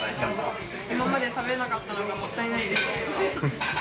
今まで食べなかったのがもったいないです。